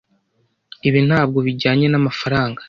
Ibi ntabwo bijyanye n'amafaranga.